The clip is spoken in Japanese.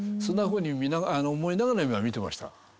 そんなふうに思いながら今見てました。